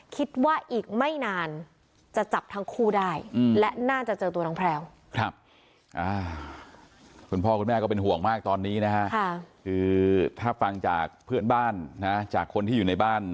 คิดว่าอีกไม่นานจะจับทั้งคู่ได้และน่าจะเจอตัวน้องแพรว